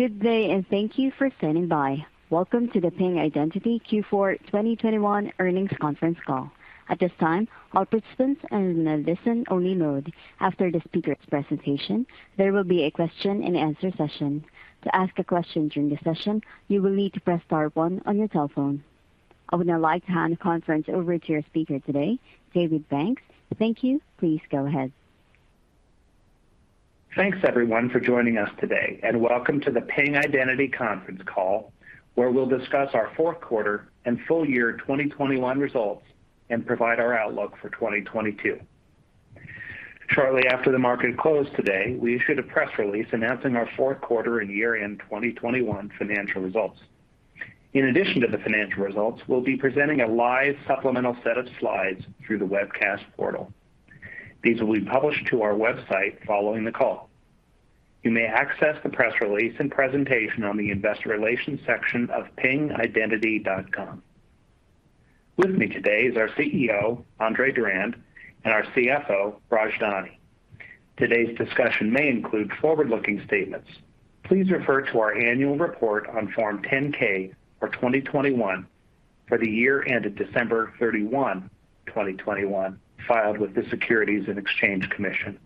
Good day, and thank you for standing by. Welcome to the Ping Identity Q4 2021 earnings conference call. At this time, all participants are in a listen-only mode. After the speaker's presentation, there will be a question and answer session. To ask a question during the session, you will need to press star one on your telephone. I would now like to hand the conference over to your speaker today, David Banks. Thank you. Please go ahead. Thanks everyone for joining us today, and welcome to the Ping Identity conference call, where we'll discuss our fourth quarter and full year 2021 results and provide our outlook for 2022. Shortly after the market closed today, we issued a press release announcing our fourth quarter and year-end 2021 financial results. In addition to the financial results, we'll be presenting a live supplemental set of slides through the webcast portal. These will be published to our website following the call. You may access the press release and presentation on the investor relations section of pingidentity.com. With me today is our CEO, Andre Durand, and our CFO, Raj Dani. Today's discussion may include forward-looking statements. Please refer to our annual report on Form 10-K for 2021 for the year ended December 31, 2021, filed with the Securities and Exchange Commission.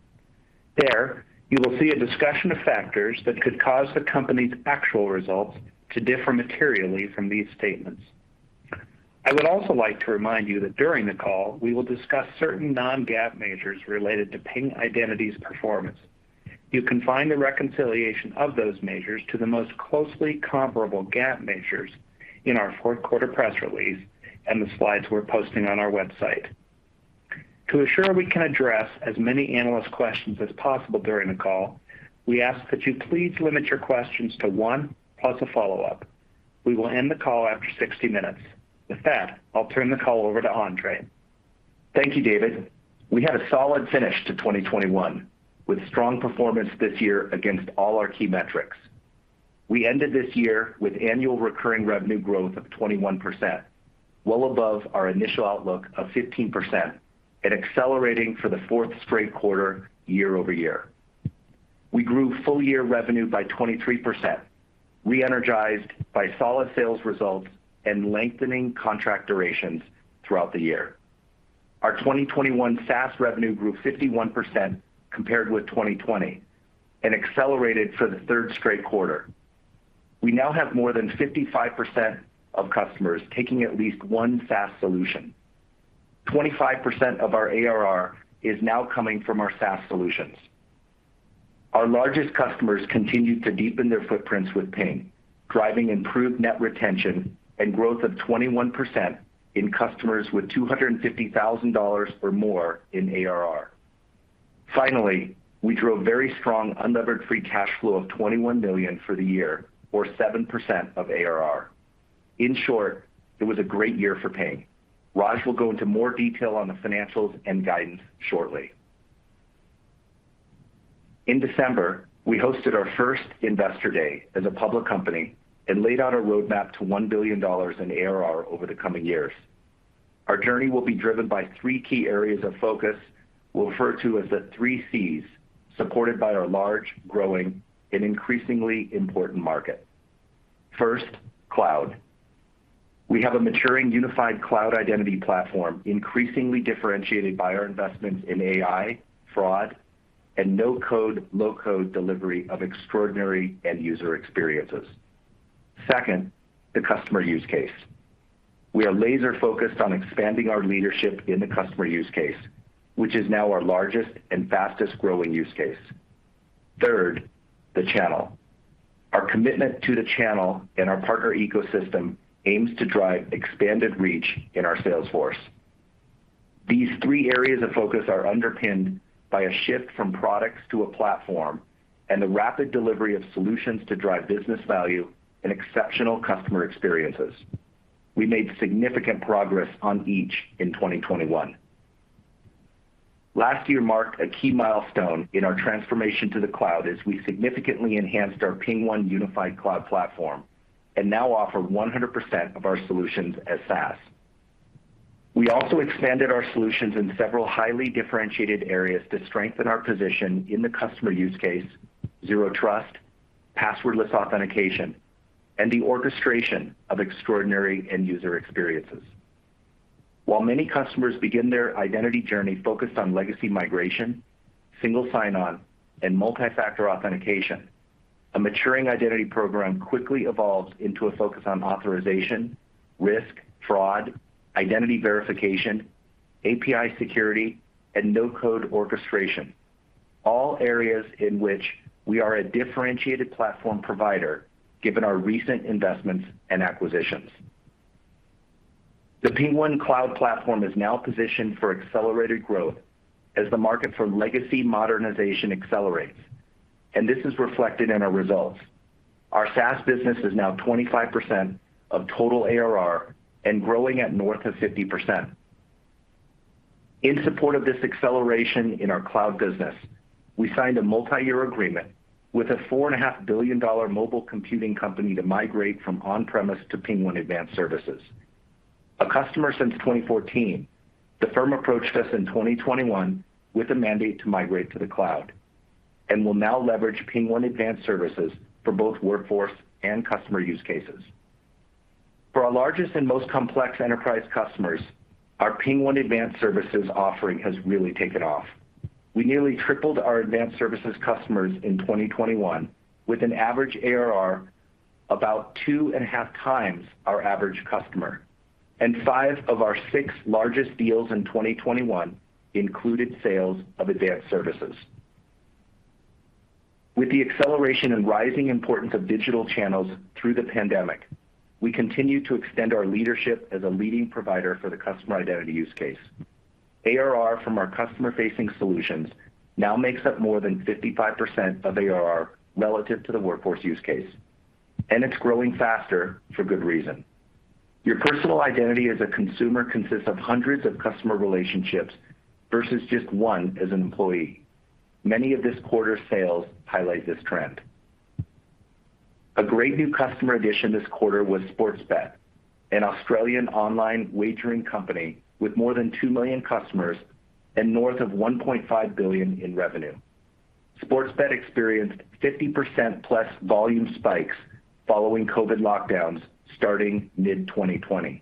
There, you will see a discussion of factors that could cause the company's actual results to differ materially from these statements. I would also like to remind you that during the call, we will discuss certain Non-GAAP measures related to Ping Identity's performance. You can find the reconciliation of those measures to the most closely comparable GAAP measures in our fourth quarter press release and the slides we're posting on our website. To assure we can address as many analyst questions as possible during the call, we ask that you please limit your questions to one, plus a follow-up. We will end the call after 60 minutes. With that, I'll turn the call over to Andre. Thank you, David. We had a solid finish to 2021, with strong performance this year against all our key metrics. We ended this year with annual recurring revenue growth of 21%, well above our initial outlook of 15%, and accelerating for the fourth straight quarter year over year. We grew full year revenue by 23%, re-energized by solid sales results and lengthening contract durations throughout the year. Our 2021 SaaS revenue grew 51% compared with 2020, and accelerated for the third straight quarter. We now have more than 55% of customers taking at least one SaaS solution. 25% of our ARR is now coming from our SaaS solutions. Our largest customers continued to deepen their footprints with Ping, driving improved net retention and growth of 21% in customers with $250,000 or more in ARR. Finally, we drove very strong unlevered free cash flow of $21 million for the year or 7% of ARR. In short, it was a great year for Ping. Raj will go into more detail on the financials and guidance shortly. In December, we hosted our first Investor Day as a public company and laid out a roadmap to $1 billion in ARR over the coming years. Our journey will be driven by three key areas of focus we'll refer to as the three Cs, supported by our large, growing, and increasingly important market. First, cloud. We have a maturing unified cloud identity platform, increasingly differentiated by our investments in AI, fraud, and no-code/low-code delivery of extraordinary end user experiences. Second, the customer use case. We are laser-focused on expanding our leadership in the customer use case, which is now our largest and fastest-growing use case. Third, the channel. Our commitment to the channel and our partner ecosystem aims to drive expanded reach in our sales force. These three areas of focus are underpinned by a shift from products to a platform and the rapid delivery of solutions to drive business value and exceptional customer experiences. We made significant progress on each in 2021. Last year marked a key milestone in our transformation to the cloud as we significantly enhanced our PingOne unified cloud platform and now offer 100% of our solutions as SaaS. We also expanded our solutions in several highly differentiated areas to strengthen our position in the customer use case, zero trust, passwordless authentication, and the orchestration of extraordinary end user experiences. While many customers begin their identity journey focused on legacy migration, single sign-on, and multi-factor authentication, a maturing identity program quickly evolves into a focus on authorization, risk, fraud, identity verification, API security, and no-code orchestration, all areas in which we are a differentiated platform provider given our recent investments and acquisitions. The PingOne Cloud Platform is now positioned for accelerated growth as the market for legacy modernization accelerates, and this is reflected in our results. Our SaaS business is now 25% of total ARR and growing at north of 50%. In support of this acceleration in our cloud business, we signed a multi-year agreement with a $4.5 billion mobile computing company to migrate from on-premise to PingOne Advanced Services. A customer since 2014, the firm approached us in 2021 with a mandate to migrate to the cloud and will now leverage PingOne Advanced Services for both workforce and customer use cases. For our largest and most complex enterprise customers, our PingOne Advanced Services offering has really taken off. We nearly tripled our advanced services customers in 2021 with an average ARR about 2.5x our average customer. Five of our six largest deals in 2021 included sales of advanced services. With the acceleration and rising importance of digital channels through the pandemic, we continue to extend our leadership as a leading provider for the customer identity use case. ARR from our customer-facing solutions now makes up more than 55% of ARR relative to the workforce use case, and it's growing faster for good reason. Your personal identity as a consumer consists of hundreds of customer relationships versus just one as an employee. Many of this quarter's sales highlight this trend. A great new customer addition this quarter was Sportsbet, an Australian online wagering company with more than 2 million customers and north of $1.5 billion in revenue. Sportsbet experienced 50%+ volume spikes following COVID lockdowns starting mid-2020,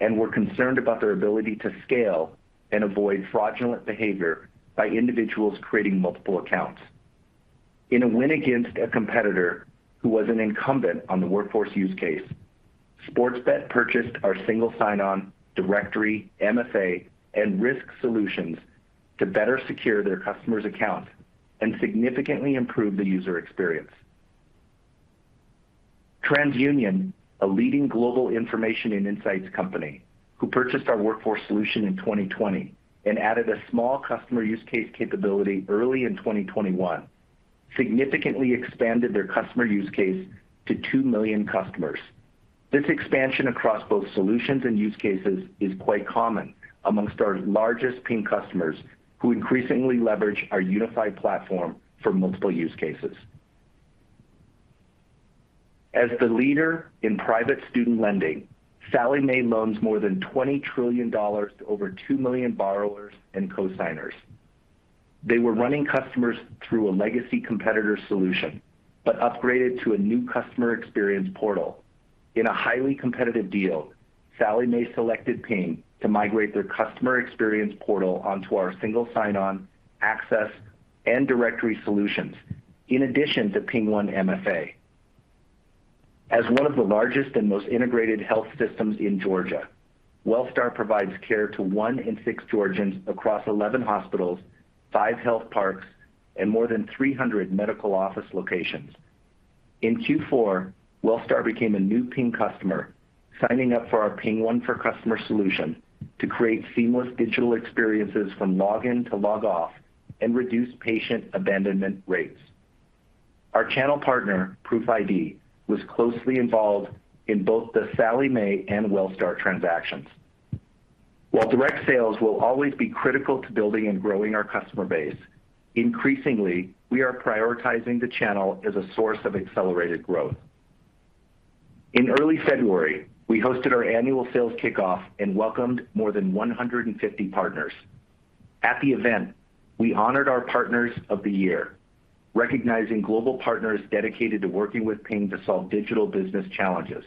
and were concerned about their ability to scale and avoid fraudulent behavior by individuals creating multiple accounts. In a win against a competitor who was an incumbent on the workforce use case, Sportsbet purchased our single sign-on directory, MFA, and risk solutions to better secure their customer's account and significantly improve the user experience. TransUnion, a leading global information and insights company, who purchased our workforce solution in 2020 and added a small customer use case capability early in 2021, significantly expanded their customer use case to 2 million customers. This expansion across both solutions and use cases is quite common among our largest Ping customers who increasingly leverage our unified platform for multiple use case. As the leader in private student lending, Sallie Mae loans more than $20 trillion to over 2 million borrowers and cosigners. They were running customers through a legacy competitor solution, but upgraded to a new customer experience portal. In a highly competitive deal, Sallie Mae selected Ping to migrate their customer experience portal onto our single sign-on access and directory solutions, in addition to PingOne MFA. As one of the largest and most integrated health systems in Georgia, Wellstar provides care to one in six Georgians across 11 hospitals, five health parks, and more than 300 medical office locations. In Q4, Wellstar became a new Ping customer, signing up for our PingOne for Customers solution to create seamless digital experiences from login to log off and reduce patient abandonment rates. Our channel partner, ProofID, was closely involved in both the Sallie Mae and Wellstar transactions. While direct sales will always be critical to building and growing our customer base, increasingly, we are prioritizing the channel as a source of accelerated growth. In early February, we hosted our annual sales kickoff and welcomed more than 150 partners. At the event, we honored our partners of the year, recognizing global partners dedicated to working with Ping to solve digital business challenges.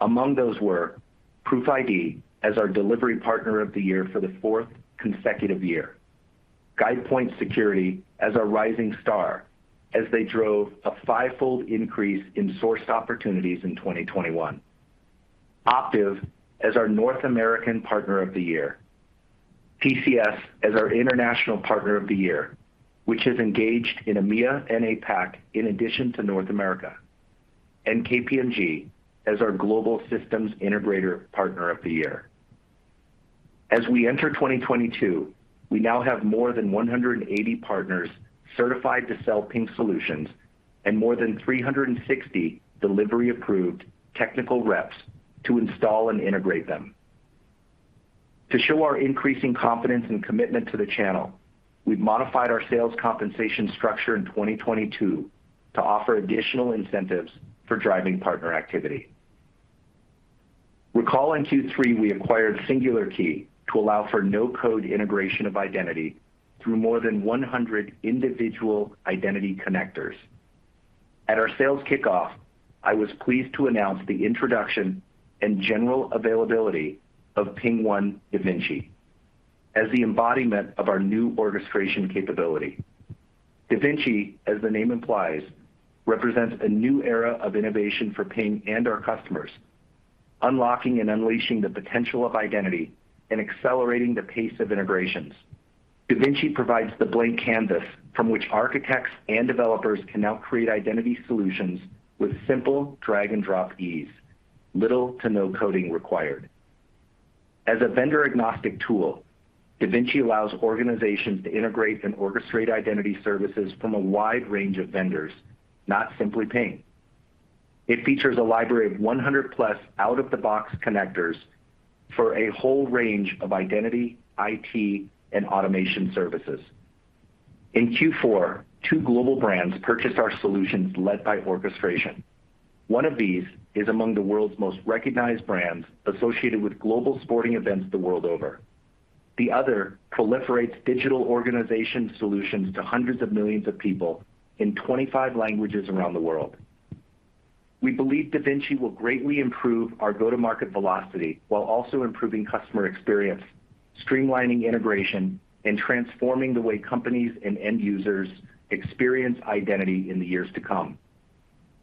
Among those were ProofID as our Delivery Partner of the Year for the fourth consecutive year. GuidePoint Security as our Rising Star as they drove a five-fold increase in sourced opportunities in 2021. Optiv as our North American Partner of the Year. TCS as our International Partner of the Year, which is engaged in EMEA and APAC in addition to North America. KPMG as our Global Systems Integrator Partner of the Year. As we enter 2022, we now have more than 180 partners certified to sell Ping solutions and more than 360 delivery approved technical reps to install and integrate them. To show our increasing confidence and commitment to the channel, we've modified our sales compensation structure in 2022 to offer additional incentives for driving partner activity. Recall in Q3, we acquired Singular Key to allow for no-code integration of identity through more than 100 individual identity connectors. At our sales kickoff, I was pleased to announce the introduction and general availability of PingOne DaVinci as the embodiment of our new orchestration capability. DaVinci, as the name implies, represents a new era of innovation for Ping and our customers, unlocking and unleashing the potential of identity and accelerating the pace of integrations. DaVinci provides the blank canvas from which architects and developers can now create identity solutions with simple drag and drop ease, little to no coding required. As a vendor-agnostic tool, DaVinci allows organizations to integrate and orchestrate identity services from a wide range of vendors, not simply Ping. It features a library of 100+ out-of-the-box connectors for a whole range of identity, IT, and automation services. In Q4, two global brands purchased our solutions led by orchestration. One of these is among the world's most recognized brands associated with global sporting events the world over. The other proliferates digital organization solutions to hundreds of millions of people in 25 languages around the world. We believe DaVinci will greatly improve our go-to-market velocity while also improving customer experience, streamlining integration, and transforming the way companies and end users experience identity in the years to come.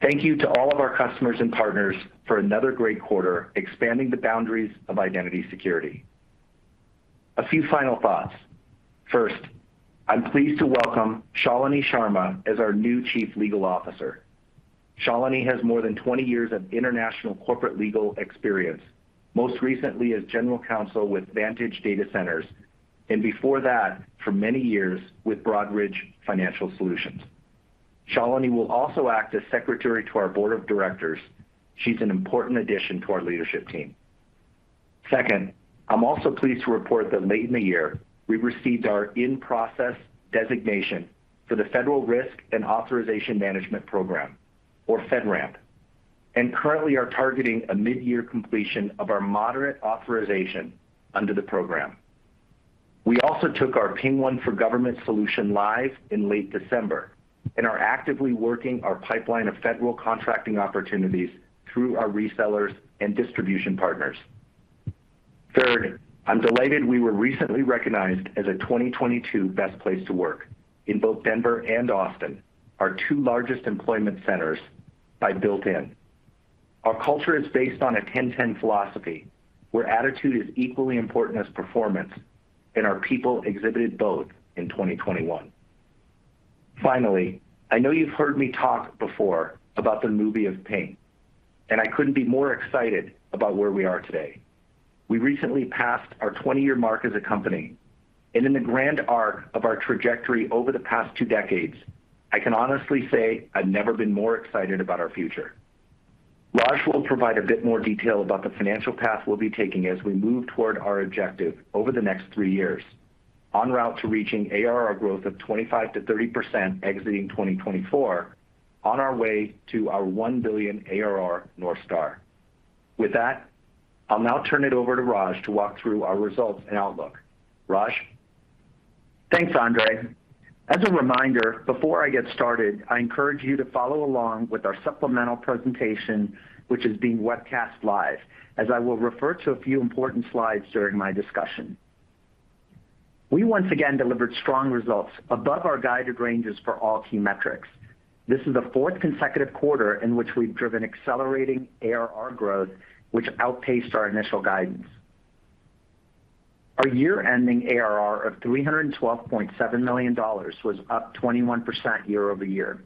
Thank you to all of our customers and partners for another great quarter, expanding the boundaries of identity security. A few final thoughts. First, I'm pleased to welcome Shalini Sharma as our new Chief Legal Officer. Shalini has more than 20 years of international corporate legal experience, most recently as general counsel with Vantage Data Centers, and before that, for many years with Broadridge Financial Solutions. Shalini will also act as secretary to our Board of Directors. She's an important addition to our leadership team. Second, I'm also pleased to report that late in the year, we received our in-process designation for the Federal Risk and Authorization Management Program or FedRAMP, and currently are targeting a mid-year completion of our moderate authorization under the program. We also took our PingOne for Government solution live in late December and are actively working our pipeline of federal contracting opportunities through our resellers and distribution partners. Third, I'm delighted we were recently recognized as a 2022 best place to work in both Denver and Austin, our two largest employment centers by Built In. Our culture is based on a 10/10 philosophy, where attitude is equally important as performance, and our people exhibited both in 2021. Finally, I know you've heard me talk before about the movie of Ping, and I couldn't be more excited about where we are today. We recently passed our 20-year mark as a company, and in the grand arc of our trajectory over the past two decades, I can honestly say I've never been more excited about our future. Raj will provide a bit more detail about the financial path we'll be taking as we move toward our objective over the next three years en route to reaching ARR growth of 25%-30% exiting 2024 on our way to our $1 billion ARR North Star. With that, I'll now turn it over to Raj to walk through our results and outlook. Raj? Thanks, Andre. As a reminder, before I get started, I encourage you to follow along with our supplemental presentation, which is being webcast live, as I will refer to a few important slides during my discussion. We once again delivered strong results above our guided ranges for all key metrics. This is the fourth consecutive quarter in which we've driven accelerating ARR growth, which outpaced our initial guidance. Our year-ending ARR of $312.7 million was up 21% year-over-year.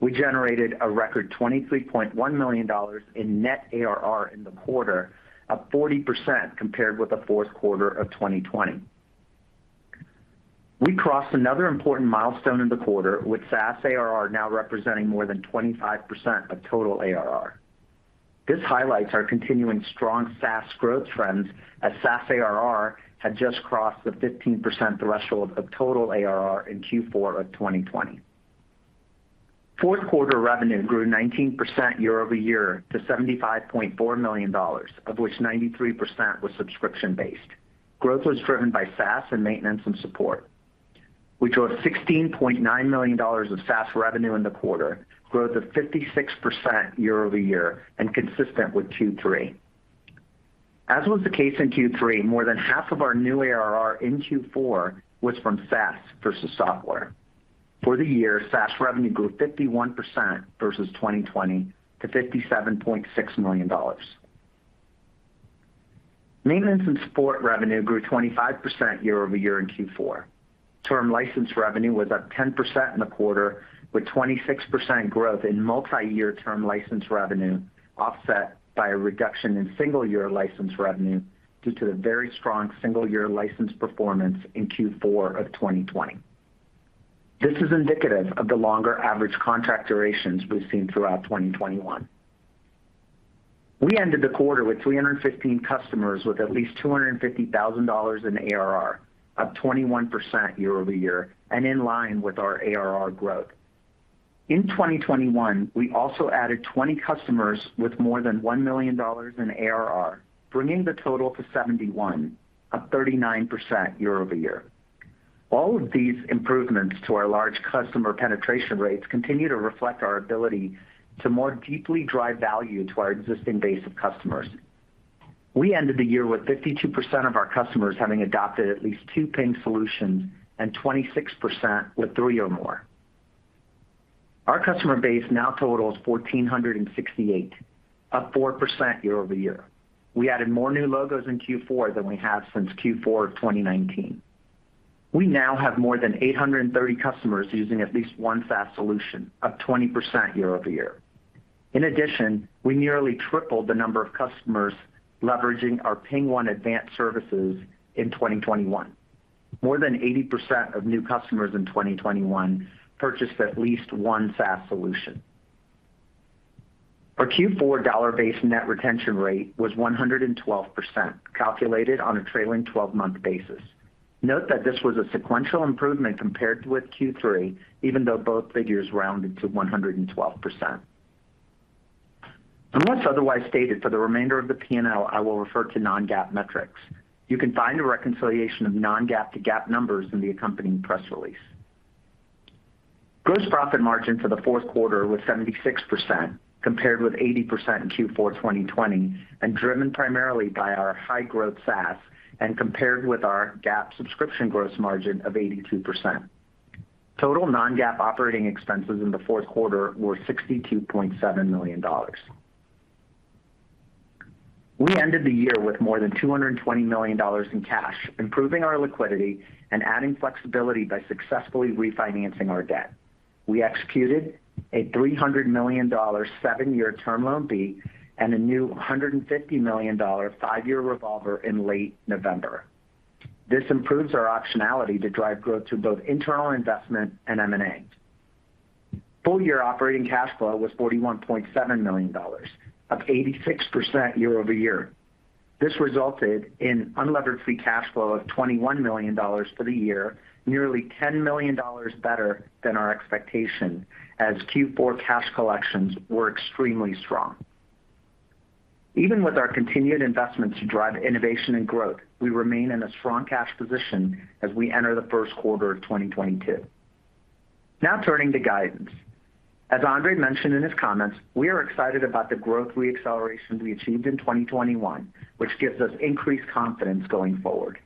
We generated a record $23.1 million in net ARR in the quarter, up 40% compared with the fourth quarter of 2020. We crossed another important milestone in the quarter with SaaS ARR now representing more than 25% of total ARR. This highlights our continuing strong SaaS growth trends as SaaS ARR had just crossed the 15% threshold of total ARR in Q4 of 2020. Fourth quarter revenue grew 19% year-over-year to $75.4 million, of which 93% was subscription-based. Growth was driven by SaaS and maintenance and support. We drove $16.9 million of SaaS revenue in the quarter, growth of 56% year-over-year and consistent with Q3. As was the case in Q3, more than half of our new ARR in Q4 was from SaaS versus software. For the year, SaaS revenue grew 51% versus 2020 to $57.6 million. Maintenance and support revenue grew 25% year-over-year in Q4. Term license revenue was up 10% in the quarter, with 26% growth in multi-year term license revenue offset by a reduction in single-year license revenue due to the very strong single-year license performance in Q4 of 2020. This is indicative of the longer average contract durations we've seen throughout 2021. We ended the quarter with 315 customers with at least $250,000 in ARR, up 21% year-over-year and in line with our ARR growth. In 2021, we also added 20 customers with more than $1 million in ARR, bringing the total to 71, up 39% year-over-year. All of these improvements to our large customer penetration rates continue to reflect our ability to more deeply drive value to our existing base of customers. We ended the year with 52% of our customers having adopted at least two Ping solutions and 26% with three or more. Our customer base now totals 1,468, up 4% year-over-year. We added more new logos in Q4 than we have since Q4 of 2019. We now have more than 830 customers using at least one SaaS solution, up 20% year-over-year. In addition, we nearly tripled the number of customers leveraging our PingOne Advanced Services in 2021. More than 80% of new customers in 2021 purchased at least one SaaS solution. Our Q4 dollar-based net retention rate was 112%, calculated on a trailing 12-month basis. Note that this was a sequential improvement compared with Q3, even though both figures rounded to 112%. Unless otherwise stated, for the remainder of the P&L, I will refer to Non-GAAP metrics. You can find a reconciliation of Non-GAAP to GAAP numbers in the accompanying press release. Gross profit margin for the fourth quarter was 76% compared with 80% in Q4 2020, and driven primarily by our high-growth SaaS and compared with our GAAP subscription gross margin of 82%. Total Non-GAAP operating expenses in the fourth quarter were $62.7 million. We ended the year with more than $220 million in cash, improving our liquidity and adding flexibility by successfully refinancing our debt. We executed a $300 million seven-year term loan B and a new $150 million five-year revolver in late November. This improves our optionality to drive growth to both internal investment and M&A. Full year operating cash flow was $41.7 million, up 86% year-over-year. This resulted in unlevered free cash flow of $21 million for the year, nearly $10 million better than our expectation, as Q4 cash collections were extremely strong. Even with our continued investment to drive innovation and growth, we remain in a strong cash position as we enter the first quarter of 2022. Now, turning to guidance. As Andre mentioned in his comments, we are excited about the growth re-acceleration we achieved in 2021, which gives us increased confidence going forward.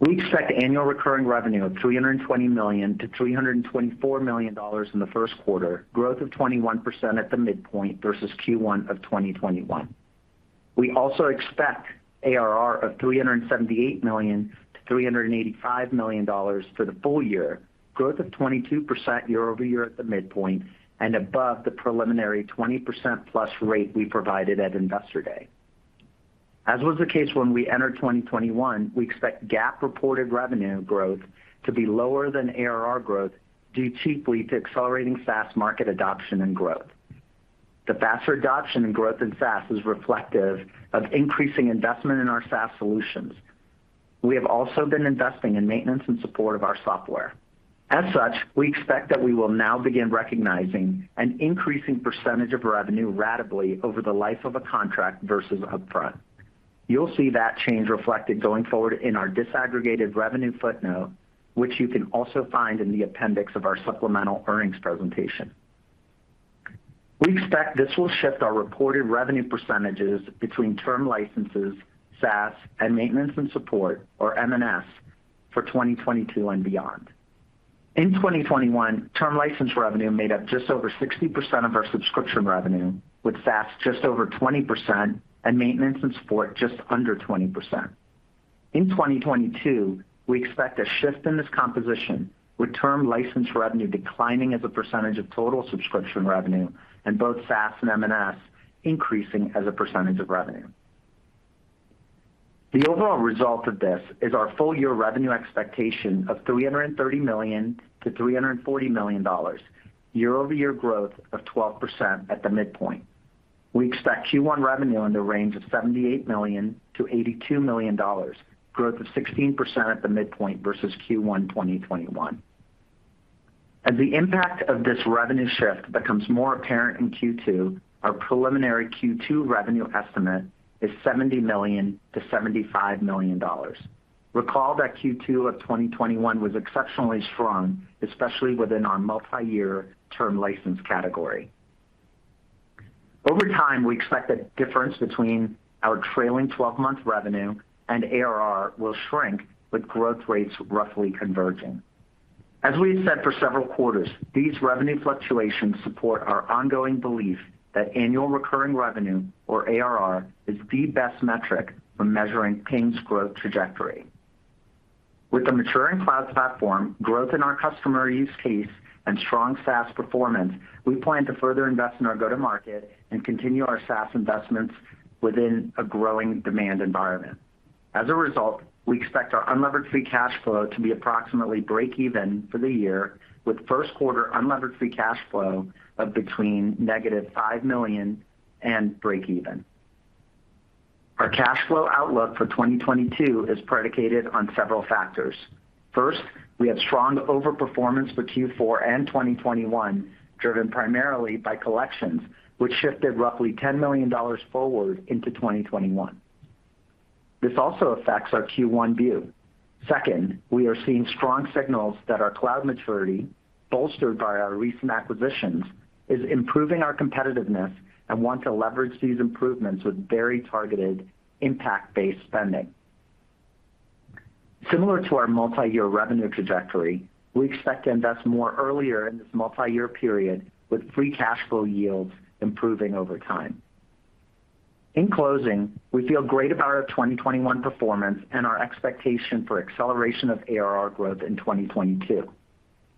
We expect annual recurring revenue of $320 million-$324 million in the first quarter, growth of 21% at the midpoint versus Q1 of 2021. We also expect ARR of $378 million-$385 million for the full year, growth of 22% year-over-year at the midpoint and above the preliminary 20%+ rate we provided at Investor Day. As was the case when we entered 2021, we expect GAAP reported revenue growth to be lower than ARR growth due chiefly to accelerating SaaS market adoption and growth. The faster adoption and growth in SaaS is reflective of increasing investment in our SaaS solutions. We have also been investing in maintenance and support of our software. As such, we expect that we will now begin recognizing an increasing percentage of revenue ratably over the life of a contract versus upfront. You'll see that change reflected going forward in our disaggregated revenue footnote, which you can also find in the appendix of our supplemental earnings presentation. We expect this will shift our reported revenue percentages between term licenses, SaaS, and maintenance and support, or M&S, for 2022 and beyond. In 2021, term license revenue made up just over 60% of our subscription revenue, with SaaS just over 20% and maintenance and support just under 20%. In 2022, we expect a shift in this composition, with term license revenue declining as a percentage of total subscription revenue and both SaaS and M&S increasing as a percentage of revenue. The overall result of this is our full year revenue expectation of $330 million-$340 million, 12% year-over-year growth at the midpoint. We expect Q1 revenue in the range of $78 million-$82 million, growth 16% at the midpoint versus Q1 2021. As the impact of this revenue shift becomes more apparent in Q2, our preliminary Q2 revenue estimate is $70 million-$75 million. Recall that Q2 of 2021 was exceptionally strong, especially within our multiyear term license category. Over time, we expect the difference between our trailing 12-month revenue and ARR will shrink, with growth rates roughly converging. As we have said for several quarters, these revenue fluctuations support our ongoing belief that annual recurring revenue, or ARR, is the best metric for measuring Ping's growth trajectory. With the maturing cloud platform, growth in our customer use case, and strong SaaS performance, we plan to further invest in our go-to-market and continue our SaaS investments within a growing demand environment. As a result, we expect our unlevered free cash flow to be approximately break even for the year with first quarter unlevered free cash flow of between -$5 million and break even. Our cash flow outlook for 2022 is predicated on several factors. First, we have strong overperformance for Q4 and 2021, driven primarily by collections, which shifted roughly $10 million forward into 2021. This also affects our Q1 view. Second, we are seeing strong signals that our cloud maturity, bolstered by our recent acquisitions, is improving our competitiveness and we want to leverage these improvements with very targeted impact-based spending. Similar to our multiyear revenue trajectory, we expect to invest more earlier in this multiyear period with free cash flow yields improving over time. In closing, we feel great about our 2021 performance and our expectation for acceleration of ARR growth in 2022.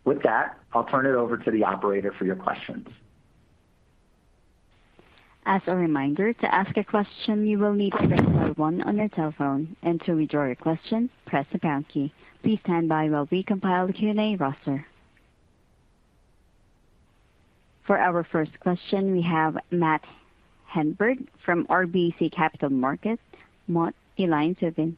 With that, I'll turn it over to the operator for your questions. As a reminder, to ask a question, you will need to press star one on your telephone, and to withdraw your question, press the pound key. Please stand by while we compile the Q&A roster. For our first question, we have Matt Hedberg from RBC Capital Markets. Matt, your line is open.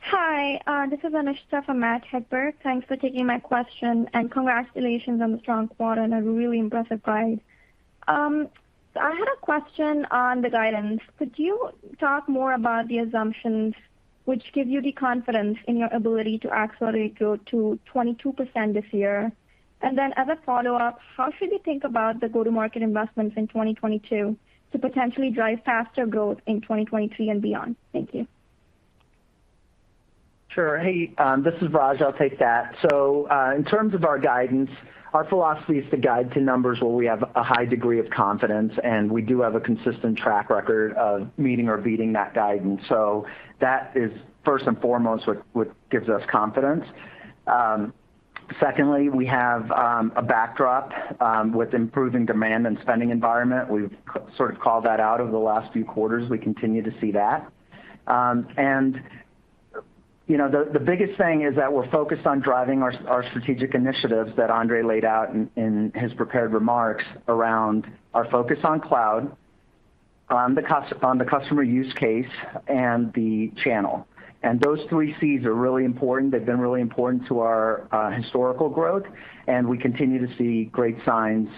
Hi, this is Anushtha for Matt Hedberg. Thanks for taking my question, and congratulations on the strong quarter and a really impressive raise. I had a question on the guidance. Could you talk more about the assumptions which give you the confidence in your ability to accelerate growth to 22% this year? As a follow-up, how should we think about the go-to-market investments in 2022 to potentially drive faster growth in 2023 and beyond? Thank you. Sure. Hey, this is Raj. I'll take that. In terms of our guidance, our philosophy is to guide to numbers where we have a high degree of confidence, and we do have a consistent track record of meeting or beating that guidance. That is first and foremost what gives us confidence. Secondly, we have a backdrop with improving demand and spending environment. We've sort of called that out over the last few quarters. We continue to see that. You know, the biggest thing is that we're focused on driving our strategic initiatives that Andre laid out in his prepared remarks around our focus on cloud, on the customer use case and the channel. Those three Cs are really important. They've been really important to our historical growth, and we continue to see great signs,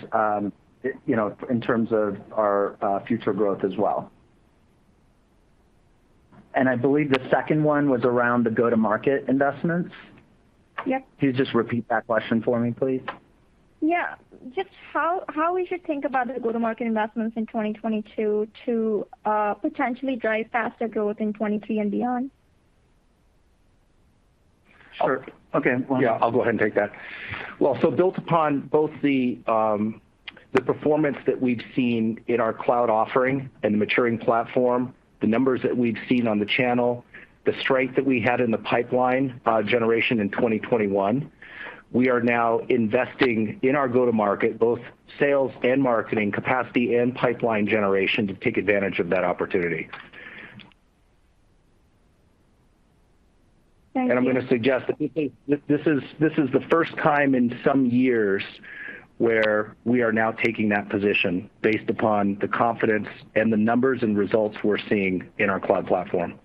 you know, in terms of our future growth as well. I believe the second one was around the go-to-market investments. Yep. Could you just repeat that question for me, please? Yeah. Just how we should think about the go-to-market investments in 2022 to potentially drive faster growth in 2023 and beyond? Sure. Okay. Yeah, I'll go ahead and take that. Well, built upon both the performance that we've seen in our cloud offering and the maturing platform, the numbers that we've seen on the channel, the strength that we had in the pipeline generation in 2021, we are now investing in our go-to-market, both sales and marketing capacity and pipeline generation, to take advantage of that opportunity. Thank you. I'm gonna suggest that this is the first time in some years where we are now taking that position based upon the confidence and the numbers and results we're seeing in our cloud platform.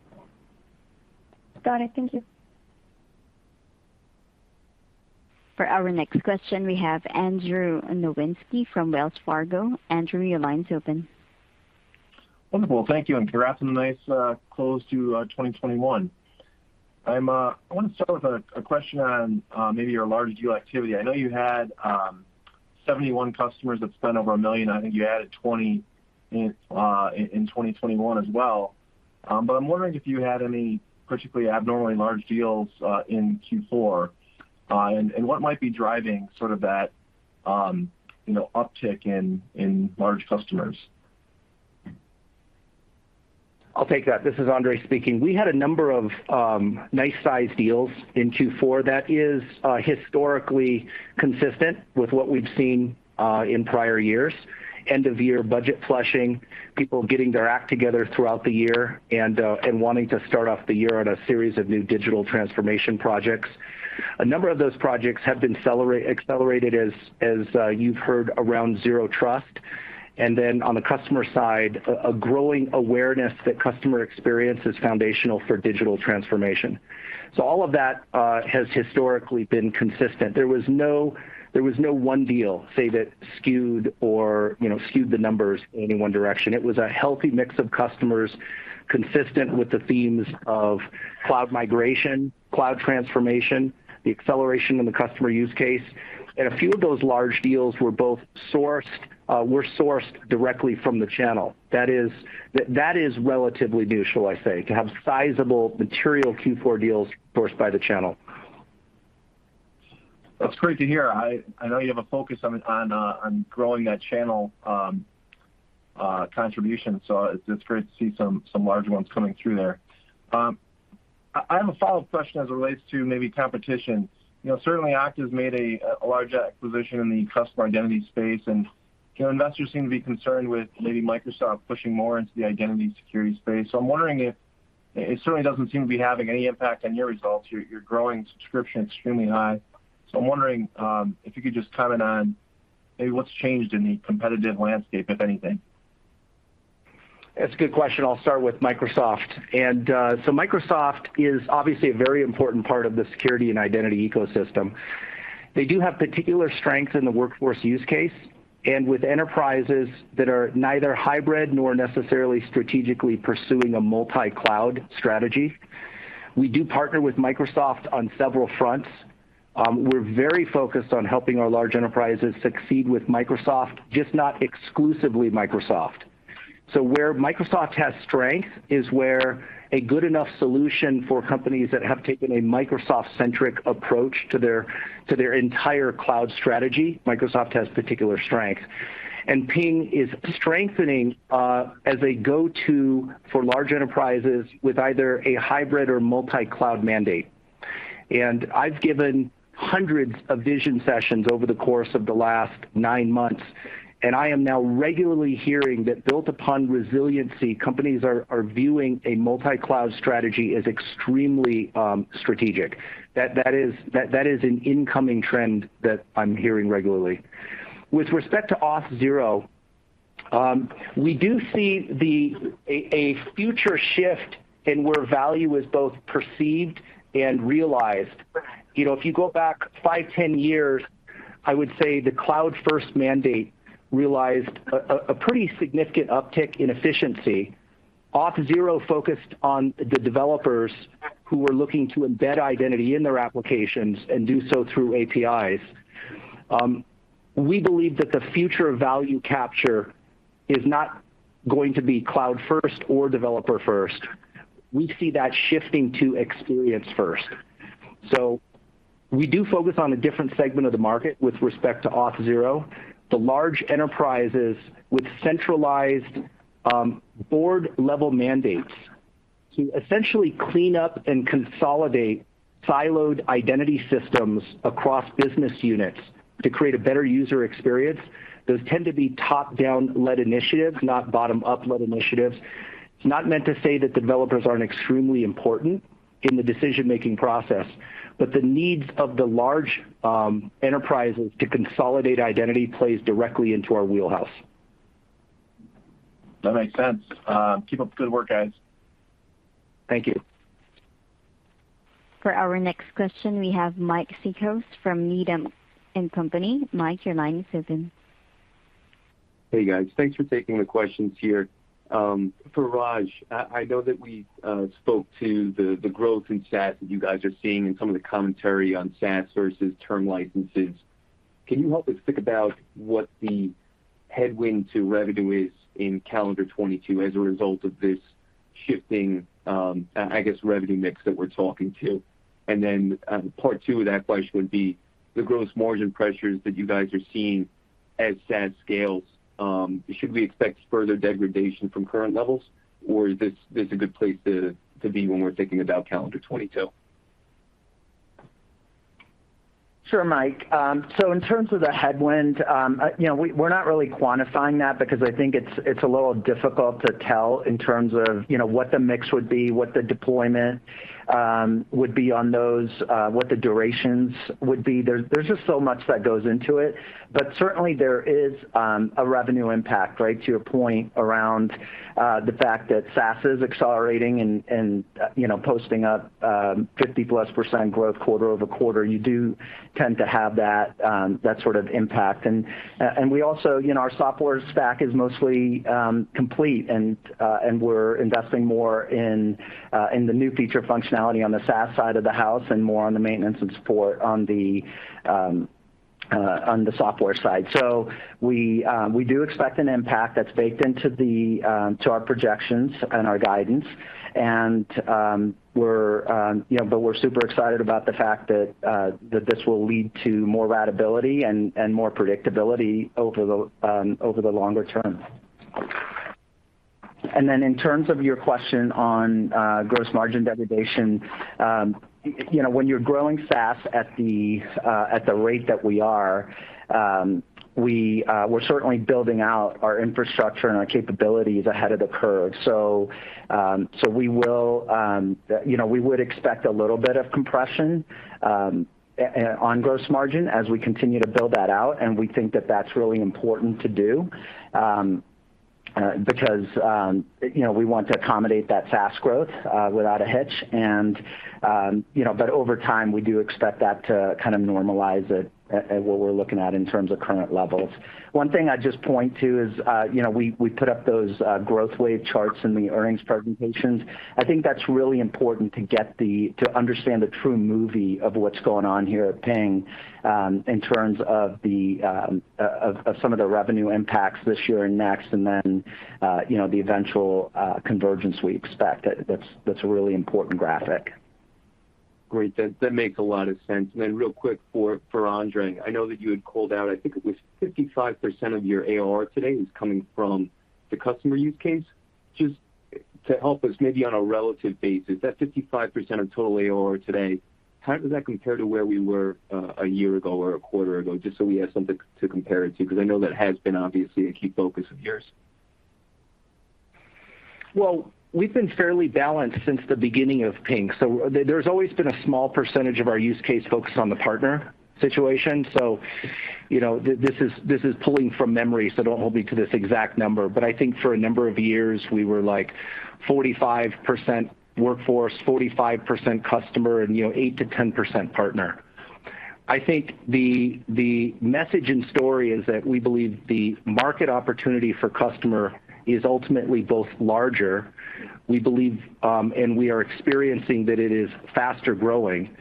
Got it. Thank you. For our next question, we have Andrew Nowinski from Wells Fargo. Andrew, your line's open. Wonderful. Thank you, and congrats on the nice close to 2021. I want to start with a question on maybe your large deal activity. I know you had 71 customers that spent over $1 million. I think you added 20 in 2021 as well. But I'm wondering if you had any particularly abnormally large deals in Q4, and what might be driving sort of that, you know, uptick in large customers. I'll take that. This is Andre speaking. We had a number of nice-sized deals in Q4 that is historically consistent with what we've seen in prior years. End of year budget flushing, people getting their act together throughout the year and wanting to start off the year on a series of new digital transformation projects. A number of those projects have been accelerated, as you've heard, around zero trust. Then on the customer side, a growing awareness that customer experience is foundational for digital transformation. All of that has historically been consistent. There was no one deal, say, that skewed or, you know, skewed the numbers any one direction. It was a healthy mix of customers consistent with the themes of cloud migration, cloud transformation, the acceleration in the customer use case. A few of those large deals were sourced directly from the channel. That is relatively new, shall I say, to have sizable material Q4 deals sourced by the channel. That's great to hear. I know you have a focus on growing that channel contribution, so it's great to see some large ones coming through there. I have a follow-up question as it relates to maybe competition. You know, certainly Okta's made a large acquisition in the customer identity space, and you know, investors seem to be concerned with maybe Microsoft pushing more into the identity security space. It certainly doesn't seem to be having any impact on your results. Your subscription growth is extremely high. I'm wondering if you could just comment on maybe what's changed in the competitive landscape, if anything? That's a good question. I'll start with Microsoft. Microsoft is obviously a very important part of the security and identity ecosystem. They do have particular strength in the workforce use case and with enterprises that are neither hybrid nor necessarily strategically pursuing a multi-cloud strategy. We do partner with Microsoft on several fronts. We're very focused on helping our large enterprises succeed with Microsoft, just not exclusively Microsoft. Where Microsoft has strength is where a good enough solution for companies that have taken a Microsoft-centric approach to their entire cloud strategy. Microsoft has particular strength. Ping is strengthening as a go-to for large enterprises with either a hybrid or multi-cloud mandate. I've given hundreds of vision sessions over the course of the last nine months, and I am now regularly hearing that built upon resiliency, companies are viewing a multi-cloud strategy as extremely strategic. That is an incoming trend that I'm hearing regularly. With respect to Auth0, we do see a future shift in where value is both perceived and realized. You know, if you go back five, 10 years, I would say the cloud-first mandate realized a pretty significant uptick in efficiency. Auth0 focused on the developers who were looking to embed identity in their applications and do so through APIs. We believe that the future of value capture is not going to be cloud first or developer first. We see that shifting to experience first. We do focus on a different segment of the market with respect to Auth0. The large enterprises with centralized, board-level mandates to essentially clean up and consolidate siloed identity systems across business units to create a better user experience. Those tend to be top-down led initiatives, not bottom-up led initiatives. It's not meant to say that developers aren't extremely important in the decision-making process, but the needs of the large, enterprises to consolidate identity plays directly into our wheelhouse. That makes sense. Keep up the good work, guys. Thank you. For our next question, we have Mike Cikos from Needham & Company. Mike, your line is open. Hey, guys. Thanks for taking the questions here. For Raj, I know that we spoke to the growth in SaaS that you guys are seeing and some of the commentary on SaaS versus term licenses. Can you help us think about what the headwind to revenue is in calendar 2022 as a result of this shifting, I guess revenue mix that we're talking to? Then, part two of that question would be the gross margin pressures that you guys are seeing as SaaS scales, should we expect further degradation from current levels, or is this a good place to be when we're thinking about calendar 2022? Sure, Mike. So in terms of the headwind, you know, we're not really quantifying that because I think it's a little difficult to tell in terms of, you know, what the mix would be, what the deployment would be on those, what the durations would be. There's just so much that goes into it. But certainly there is a revenue impact, right, to your point around the fact that SaaS is accelerating and, you know, posting up 50%+ growth quarter-over-quarter. You do tend to have that sort of impact. We also, you know, our software stack is mostly complete and we're investing more in the new feature functionality on the SaaS side of the house and more on the maintenance and support on the software side. We do expect an impact that's baked into our projections and our guidance. We're, you know, but we're super excited about the fact that this will lead to more ratability and more predictability over the longer term. Then in terms of your question on gross margin degradation, you know, when you're growing SaaS at the rate that we are, we're certainly building out our infrastructure and our capabilities ahead of the curve. We will, you know, we would expect a little bit of compression on gross margin as we continue to build that out, and we think that that's really important to do, because, you know, we want to accommodate that SaaS growth without a hitch. You know, but over time, we do expect that to kind of normalize at what we're looking at in terms of current levels. One thing I'd just point to is, you know, we put up those growth wave charts in the earnings presentations. I think that's really important to understand the true move of what's going on here at Ping, in terms of some of the revenue impacts this year and next, and then you know the eventual convergence we expect. That's a really important graphic. Great. That makes a lot of sense. Real quick for Andre, I know that you had called out, I think it was 55% of your ARR today is coming from the customer use case. Just to help us maybe on a relative basis, that 55% of total ARR today, how does that compare to where we were, a year ago or a quarter ago, just so we have something to compare it to? Because I know that has been obviously a key focus of yours. Well, we've been fairly balanced since the beginning of Ping. There's always been a small percentage of our use case focused on the partner situation. You know, this is pulling from memory, so don't hold me to this exact number. I think for a number of years, we were like 45% workforce, 45% customer, and, you know, 8%-10% partner. I think the message and story is that we believe the market opportunity for customer is ultimately both larger, we believe, and we are experiencing that it is faster growing.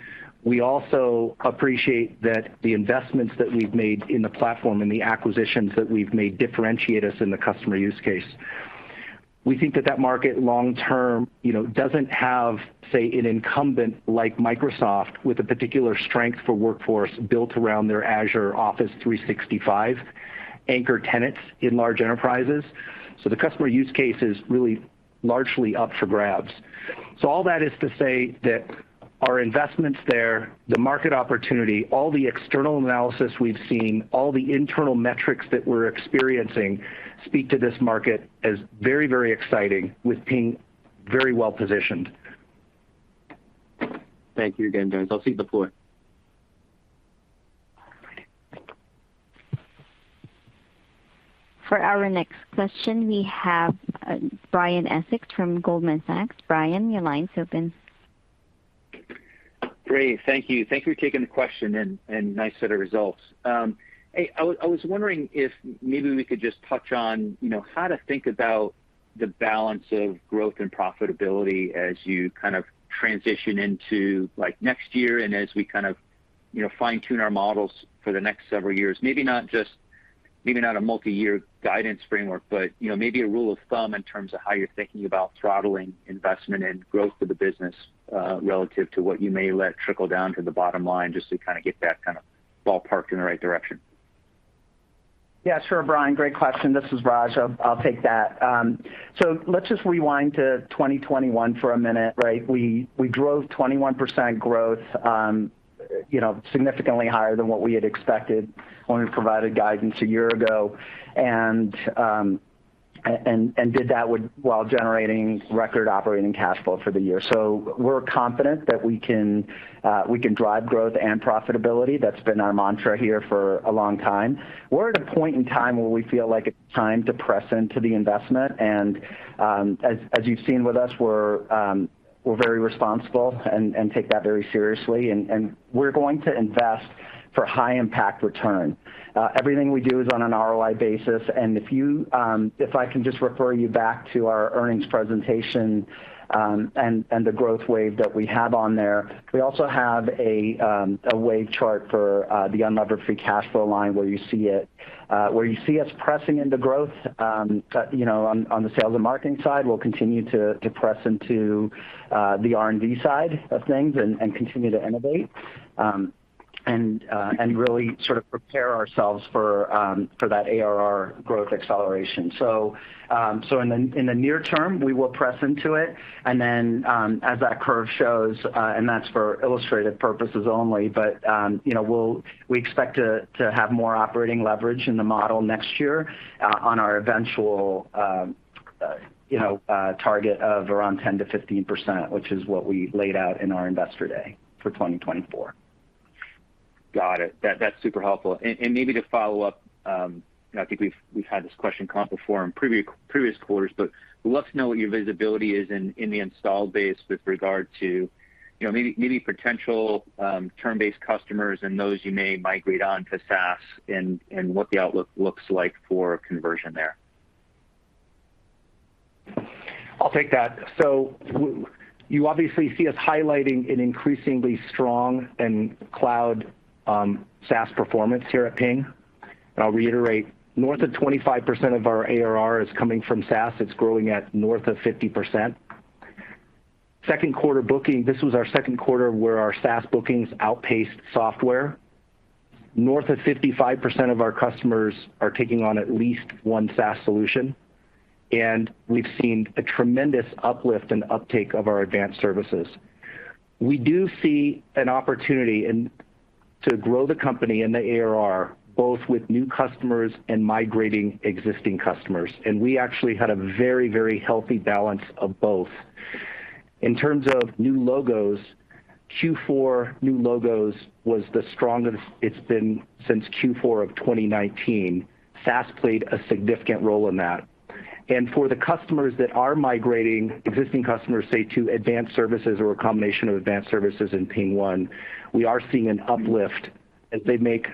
We also appreciate that the investments that we've made in the platform and the acquisitions that we've made differentiate us in the customer use case. We think that market long term, you know, doesn't have, say, an incumbent like Microsoft with a particular strength for workforce built around their Azure Office 365 anchor tenants in large enterprises. The customer use case is really-largely up for grabs. All that is to say that our investments there, the market opportunity, all the external analysis we've seen, all the internal metrics that we're experiencing speak to this market as very, very exciting with Ping very well positioned. Thank you again guys. I'll cede the floor. For our next question, we have Brian Essex from Goldman Sachs. Brian, your line's open. Great. Thank you. Thank you for taking the question and nice set of results. Hey, I was wondering if maybe we could just touch on, you know, how to think about the balance of growth and profitability as you kind of transition into, like, next year and as we kind of, you know, fine-tune our models for the next several years. Maybe not just maybe not a multiyear guidance framework, but, you know, maybe a rule of thumb in terms of how you're thinking about throttling investment and growth of the business relative to what you may let trickle down to the bottom line, just to kind of get that kind of ballpark in the right direction. Yeah, sure, Brian, great question. This is Raj. I'll take that. Let's just rewind to 2021 for a minute, right? We drove 21% growth, you know, significantly higher than what we had expected when we provided guidance a year ago and did that while generating record operating cash flow for the year. We're confident that we can drive growth and profitability. That's been our mantra here for a long time. We're at a point in time where we feel like it's time to press into the investment, and, as you've seen with us, we're very responsible and take that very seriously. We're going to invest for high impact return. Everything we do is on an ROI basis. If I can just refer you back to our earnings presentation, and the growth wave that we have on there, we also have a wave chart for the unlevered free cash flow line where you see us pressing into growth, you know, on the sales and marketing side. We'll continue to press into the R&D side of things and continue to innovate and really sort of prepare ourselves for that ARR growth acceleration. In the near term, we will press into it. As that curve shows, and that's for illustrative purposes only, but, you know, we expect to have more operating leverage in the model next year, on our eventual, you know, target of around 10%-15%, which is what we laid out in our Investor Day for 2024. Got it. That's super helpful. Maybe to follow up, I think we've had this question come up before in previous quarters, but would love to know what your visibility is in the installed base with regard to, you know, maybe potential term-based customers and those you may migrate on to SaaS and what the outlook looks like for conversion there. I'll take that. You obviously see us highlighting an increasingly strong in cloud SaaS performance here at Ping. I'll reiterate, north of 25% of our ARR is coming from SaaS. It's growing at north of 50%. Second quarter bookings, this was our second quarter where our SaaS bookings outpaced software. North of 55% of our customers are taking on at least one SaaS solution, and we've seen a tremendous uplift and uptake of our advanced services. We do see an opportunity to grow the company and the ARR, both with new customers and migrating existing customers. We actually had a very, very healthy balance of both. In terms of new logos, Q4 new logos was the strongest it's been since Q4 of 2019. SaaS played a significant role in that. For the customers that are migrating, existing customers, say, to advanced services or a combination of advanced services in PingOne, we are seeing an uplift as they make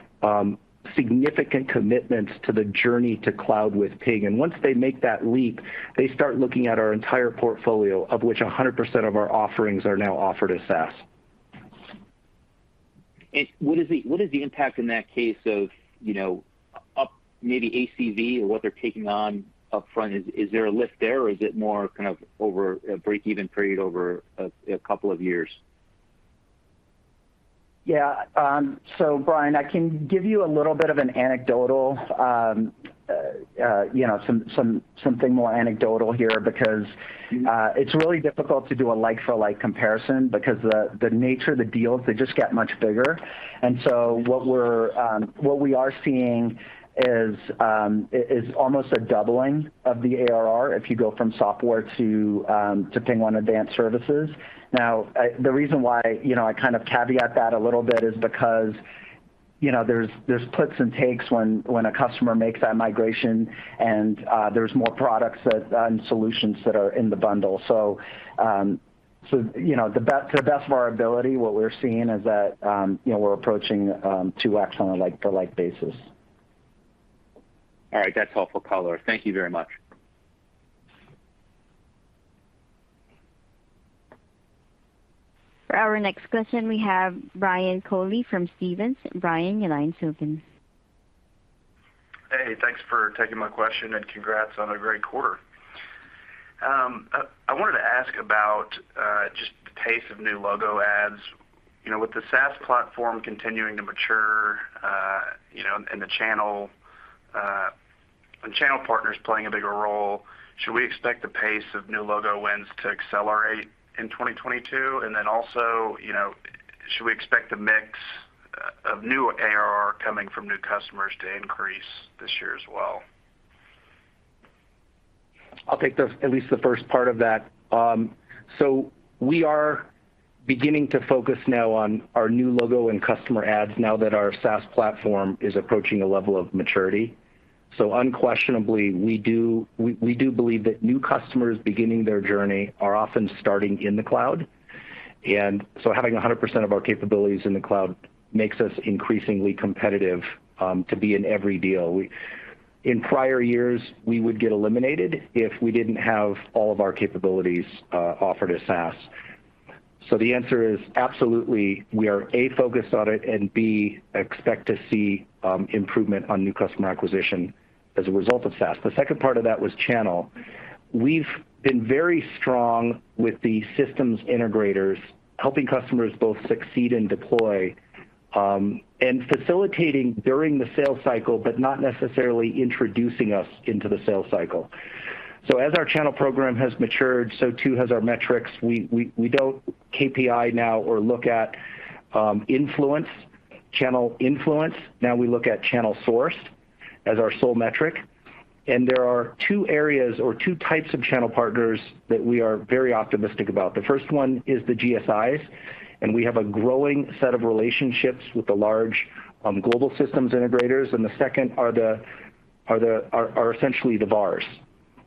significant commitments to the journey to cloud with Ping. Once they make that leap, they start looking at our entire portfolio, of which 100% of our offerings are now offered as SaaS. What is the impact in that case of, you know, up maybe ACV or what they're taking on upfront? Is there a lift there, or is it more kind of over a break-even period over a couple of years? Yeah. Brian, I can give you a little bit of an anecdotal, you know, something more anecdotal here because it's really difficult to do a like for like comparison because the nature of the deals, they just get much bigger. What we are seeing is almost a doubling of the ARR if you go from software to PingOne Advanced Services. Now, the reason why, you know, I kind of caveat that a little bit is because, you know, there's puts and takes when a customer makes that migration and there's more products and solutions that are in the bundle. You know, to the best of our ability, what we're seeing is that, you know, we're approaching 2x on a like for like basis. All right. That's helpful color. Thank you very much. For our next question, we have Brian Colley from Stephens. Brian, your line's open. Hey, thanks for taking my question, and congrats on a great quarter. I wanted to ask about just the pace of new logo adds. You know, with the SaaS platform continuing to mature, you know, and channel partners playing a bigger role, should we expect the pace of new logo wins to accelerate in 2022? And then also, you know, should we expect a mix of new ARR coming from new customers to increase this year as well? I'll take at least the first part of that. We are beginning to focus now on our new logo and customer ads now that our SaaS platform is approaching a level of maturity. Unquestionably, we do believe that new customers beginning their journey are often starting in the cloud. Having 100% of our capabilities in the cloud makes us increasingly competitive to be in every deal. In prior years, we would get eliminated if we didn't have all of our capabilities offered as SaaS. The answer is absolutely, we are, A, focused on it, and B, expect to see improvement on new customer acquisition as a result of SaaS. The second part of that was channel. We've been very strong with the systems integrators helping customers both succeed and deploy, and facilitating during the sales cycle, but not necessarily introducing us into the sales cycle. As our channel program has matured, so too has our metrics. We don't KPI now or look at influence, channel influence. Now we look at channel sourced as our sole metric. There are two areas or two types of channel partners that we are very optimistic about. The first one is the GSIs, and we have a growing set of relationships with the large, global systems integrators. The second are essentially the VARs,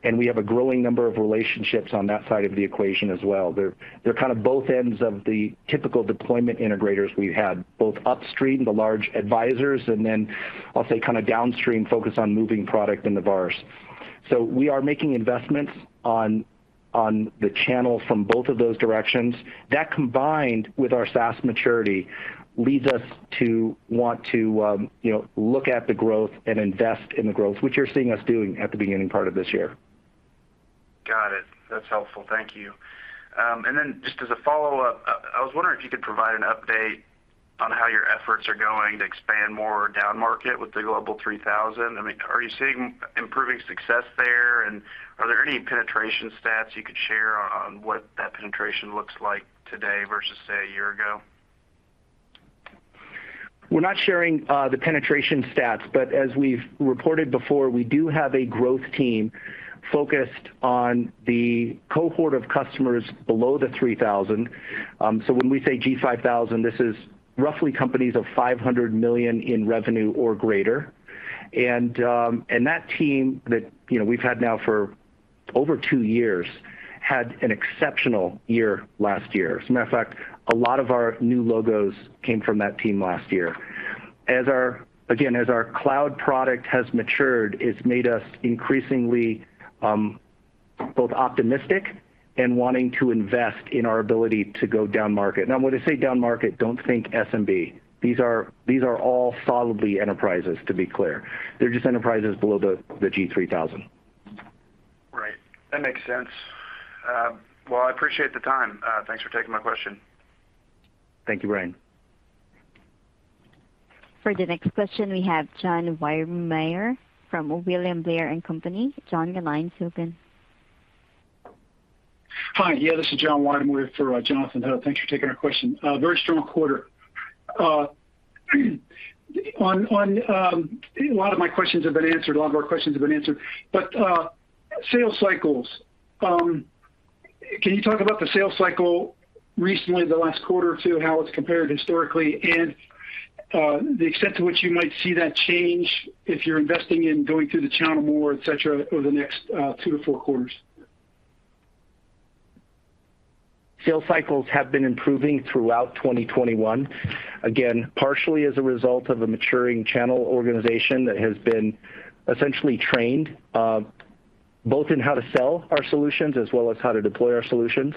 and we have a growing number of relationships on that side of the equation as well. They're kind of both ends of the typical deployment integrators we've had, both upstream, the large advisors, and then I'll say kind of downstream focused on moving product in the VARs. We are making investments on the channel from both of those directions. That combined with our SaaS maturity leads us to want to, you know, look at the growth and invest in the growth, which you're seeing us doing at the beginning part of this year. Got it. That's helpful. Thank you. Just as a follow-up, I was wondering if you could provide an update on how your efforts are going to expand more downmarket with the Global 3000. I mean, are you seeing improving success there? And are there any penetration stats you could share on what that penetration looks like today versus, say, a year ago? We're not sharing the penetration stats, but as we've reported before, we do have a growth team focused on the cohort of customers below the 3000. When we say G5000, this is roughly companies of 500 million in revenue or greater. That team that, you know, we've had now for over two years had an exceptional year last year. As a matter of fact, a lot of our new logos came from that team last year. As our cloud product has matured, it's made us increasingly both optimistic and wanting to invest in our ability to go downmarket. When I say downmarket, don't think SMB. These are all solidly enterprises, to be clear. They're just enterprises below the G 3000. Right. That makes sense. Well, I appreciate the time. Thanks for taking my question. Thank you, Brian. For the next question, we have John Weidemoyer from William Blair & Company. John, your line's open. Hi. Yeah, this is John Weidemoyer for Jonathan Ho. Thanks for taking our question. Very strong quarter. A lot of my questions have been answered. A lot of our questions have been answered. Sales cycles, can you talk about the sales cycle recently, the last quarter or two, how it's compared historically, and the extent to which you might see that change if you're investing in going through the channel more, et cetera, over the next two to four quarters? Sales cycles have been improving throughout 2021, again, partially as a result of a maturing channel organization that has been essentially trained both in how to sell our solutions as well as how to deploy our solutions,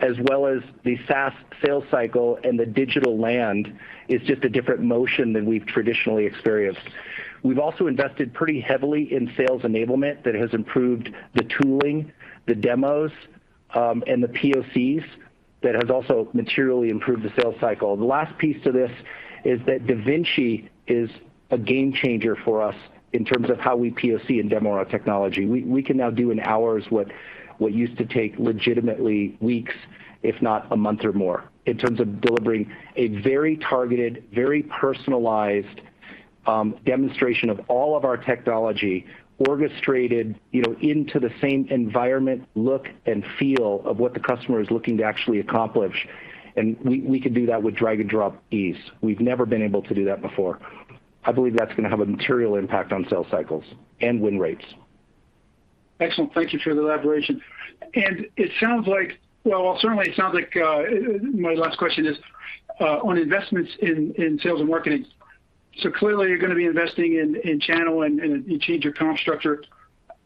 as well as the SaaS sales cycle and the digital land is just a different motion than we've traditionally experienced. We've also invested pretty heavily in sales enablement that has improved the tooling, the demos, and the POCs that has also materially improved the sales cycle. The last piece to this is that DaVinci is a game changer for us in terms of how we POC and demo our technology. We can now do in hours what used to take legitimately weeks, if not a month or more, in terms of delivering a very targeted, very personalized, demonstration of all of our technology orchestrated, you know, into the same environment look and feel of what the customer is looking to actually accomplish. We can do that with drag and drop ease. We've never been able to do that before. I believe that's gonna have a material impact on sales cycles and win rates. Excellent. Thank you for the elaboration. Certainly it sounds like my last question is on investments in sales and marketing. Clearly you're gonna be investing in channel and you change your comp structure.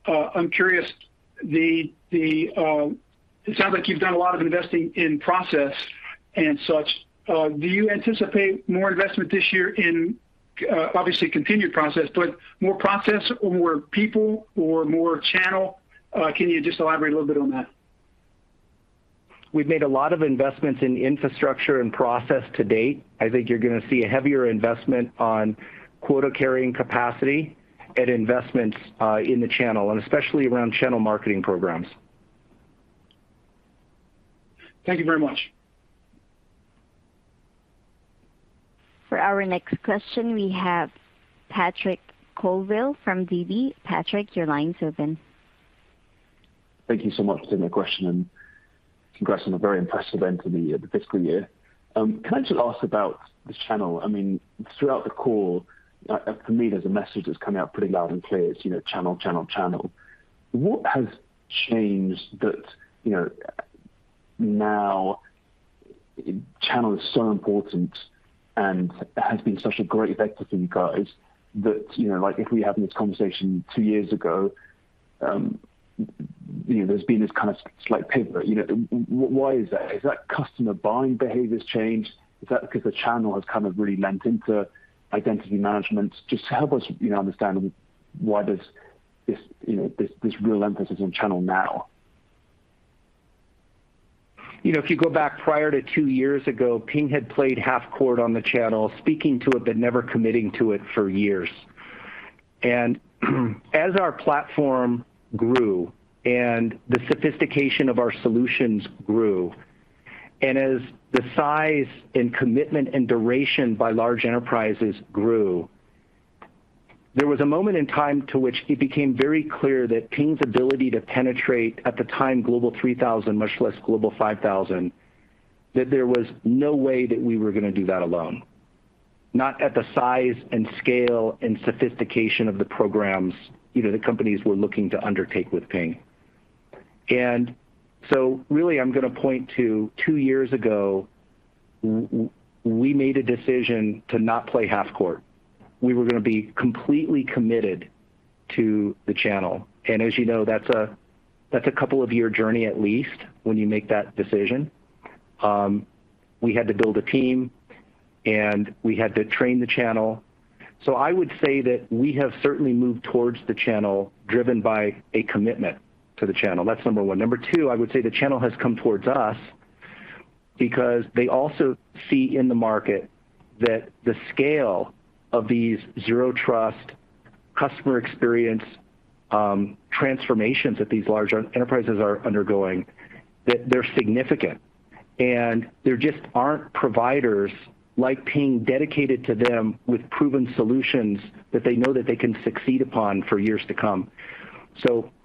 I'm curious. It sounds like you've done a lot of investing in process and such. Do you anticipate more investment this year in obviously continued process, but more process or more people or more channel? Can you just elaborate a little bit on that? We've made a lot of investments in infrastructure and process to date. I think you're gonna see a heavier investment on quota-carrying capacity and investments in the channel, and especially around channel marketing programs. Thank you very much. For our next question, we have Patrick Colville from DB. Patrick, your line's open. Thank you so much for taking my question, and congrats on a very impressive end to the year, the fiscal year. Can I just ask about the channel? I mean, throughout the call, for me, there's a message that's coming out pretty loud and clear. It's, you know, channel, channel. What has changed that, you know, now channel is so important and has been such a great vector for you guys that, you know, like, if we had this conversation two years ago, you know, there's been this kind of slight pivot, you know. Why is that? Has that customer buying behaviors changed? Is that because the channel has kind of really leaned into identity management? Just help us, you know, understand why there's this, you know, this real emphasis on channel now. You know, if you go back prior to two years ago, Ping had played half court on the channel, speaking to it but never committing to it for years. As our platform grew, and the sophistication of our solutions grew, and as the size and commitment and duration by large enterprises grew, there was a moment in time to which it became very clear that Ping's ability to penetrate, at the time, Global 3000, much less Global 5000, that there was no way that we were gonna do that alone. Not at the size and scale and sophistication of the programs, you know, the companies were looking to undertake with Ping. Really, I'm gonna point to two years ago, we made a decision to not play half court. We were gonna be completely committed to the channel. As you know, that's a couple-year journey at least when you make that decision. We had to build a team, and we had to train the channel. I would say that we have certainly moved towards the channel driven by a commitment to the channel. That's number one. Number two, I would say the channel has come towards us because they also see in the market that the scale of these zero trust customer experience transformations that these large enterprises are undergoing, that they're significant. There just aren't providers like Ping dedicated to them with proven solutions that they know that they can succeed upon for years to come.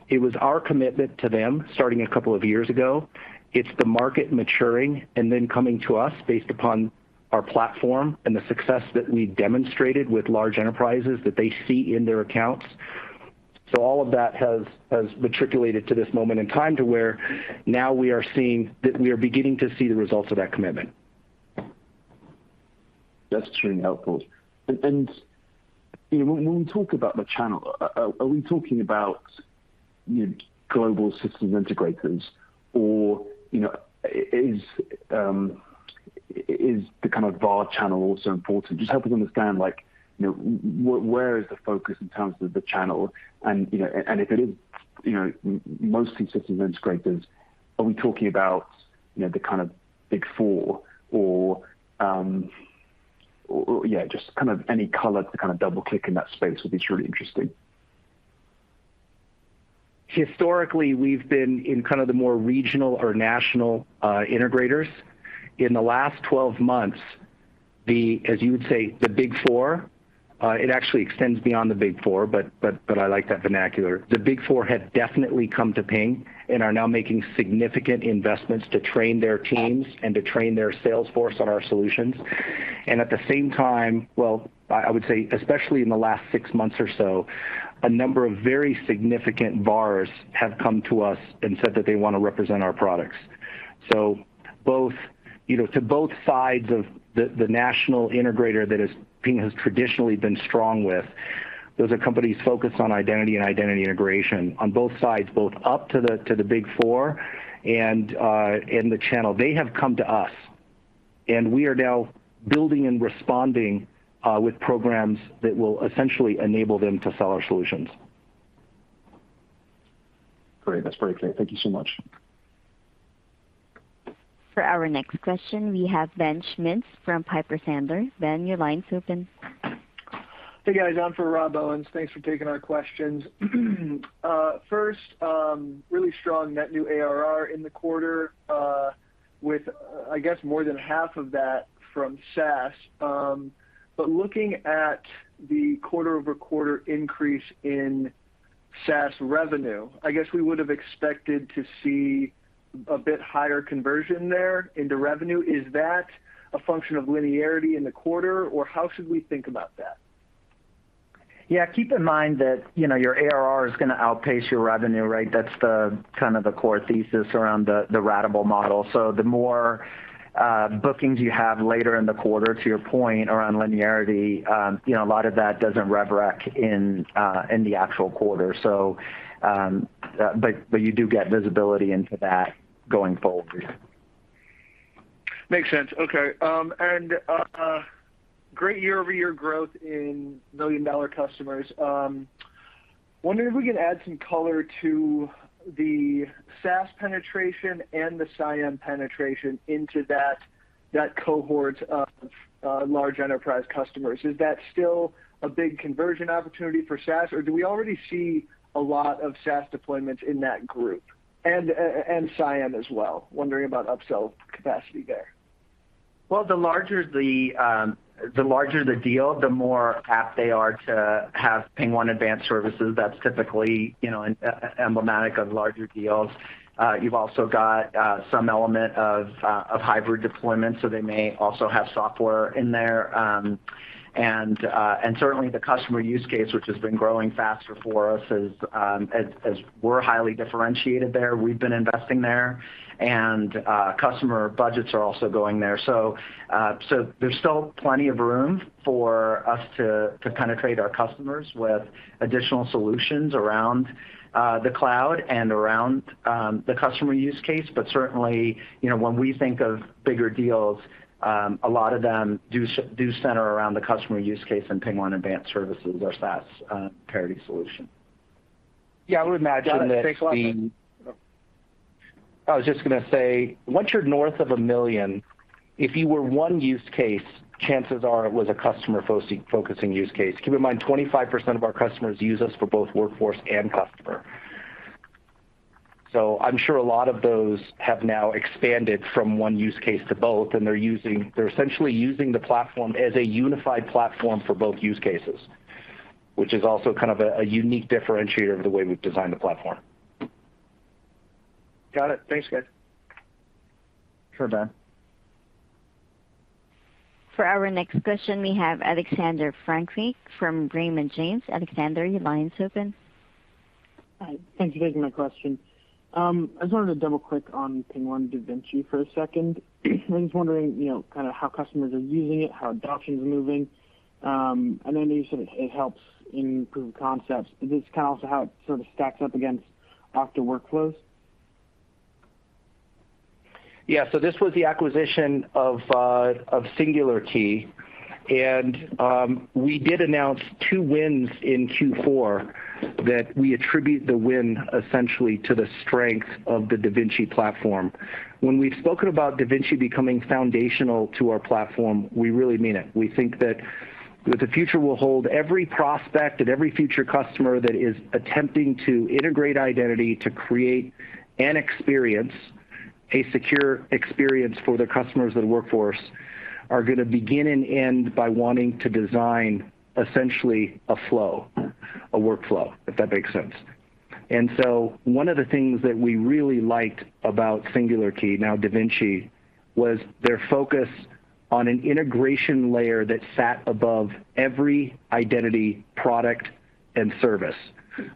It was our commitment to them starting a couple of years ago. It's the market maturing and then coming to us based upon our platform and the success that we demonstrated with large enterprises that they see in their accounts. All of that has materialized to this moment in time to where now we are seeing that we are beginning to see the results of that commitment. That's extremely helpful. You know, when we talk about the channel, are we talking about global system integrators? Or, you know, is the kind of VAR channel also important? Just help me understand like, you know, where is the focus in terms of the channel? If it is, you know, mostly system integrators, are we talking about the kind of Big Four? Or yeah, just kind of any color to kind of double-click in that space would be truly interesting. Historically, we've been in kind of the more regional or national integrators. In the last 12 months, as you would say, the Big Four. It actually extends beyond the Big Four, but I like that vernacular. The Big Four have definitely come to Ping and are now making significant investments to train their teams and to train their sales force on our solutions. At the same time, well, I would say especially in the last six months or so, a number of very significant VARs have come to us and said that they wanna represent our products. Both, you know, to both sides of the national integrator that Ping has traditionally been strong with. Those are companies focused on identity and identity integration on both sides, both up to the Big Four and in the channel. They have come to us, and we are now building and responding, with programs that will essentially enable them to sell our solutions. Great. That's very clear. Thank you so much. For our next question, we have Ben Schmitz from Piper Sandler. Ben, your line's open. Hey, guys. On for Rob Owens. Thanks for taking our questions. First, really strong net new ARR in the quarter, with, I guess more than half of that from SaaS. Looking at the quarter-over-quarter increase in SaaS revenue, I guess we would have expected to see a bit higher conversion there into revenue. Is that a function of linearity in the quarter, or how should we think about that? Yeah. Keep in mind that, you know, your ARR is gonna outpace your revenue, right? That's the kind of core thesis around the ratable model. The more bookings you have later in the quarter, to your point around linearity, you know, a lot of that doesn't rev rec in the actual quarter. You do get visibility into that going forward. Makes sense. Okay. Great year-over-year growth in million-dollar customers. Wondering if we can add some color to the SaaS penetration and the CIAM penetration into that cohort of large enterprise customers. Is that still a big conversion opportunity for SaaS, or do we already see a lot of SaaS deployments in that group and CIAM as well? Wondering about upsell capacity there. Well, the larger the deal, the more apt they are to have PingOne Advanced Services. That's typically, you know, emblematic of larger deals. You've also got some element of hybrid deployment, so they may also have software in there, and certainly the customer use case, which has been growing faster for us as we're highly differentiated there. We've been investing there, and customer budgets are also going there. There's still plenty of room for us to penetrate our customers with additional solutions around the cloud and around the customer use case. Certainly, you know, when we think of bigger deals, a lot of them do center around the customer use case and PingOne Advanced Services, our SaaS parity solution. Yeah, I would imagine that. Got it. Thanks a lot, Ben. I was just gonna say, once you're north of a million, if you were one use case, chances are it was a customer focusing use case. Keep in mind, 25% of our customers use us for both workforce and customer. I'm sure a lot of those have now expanded from one use case to both, and they're essentially using the platform as a unified platform for both use case, which is also kind of a unique differentiator of the way we've designed the platform. Got it. Thanks, guys. Sure, Ben. For our next question, we have Alex Francoeur from Graham & James. Alex, your line is open. Hi. Thank you for taking my question. I just wanted to double-click on PingOne DaVinci for a second. I'm just wondering, you know, kinda how customers are using it, how adoption's moving. I know you said it helps in proof of concepts. Can you just kinda also how it sort of stacks up against Okta Workflows? Yeah. This was the acquisition of Singular Key, and we did announce two wins in Q4 that we attribute the win essentially to the strength of the DaVinci platform. When we've spoken about DaVinci becoming foundational to our platform, we really mean it. We think that the future will hold every prospect and every future customer that is attempting to integrate identity to create and experience a secure experience for their customers and workforce are gonna begin and end by wanting to design essentially a flow, a workflow, if that makes sense. One of the things that we really liked about Singular Key, now DaVinci, was their focus on an integration layer that sat above every identity product and service.